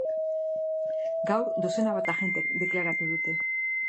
Gaur dozena bat agentek deklaratu dute.